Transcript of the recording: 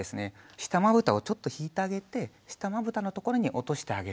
下まぶたをちょっと引いてあげて下まぶたのところに落としてあげる。